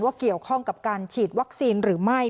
เกี่ยวข้องกับการฉีดวัคซีนหรือไม่